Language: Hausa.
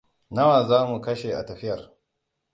Nawa za mu kashe a tafiyar?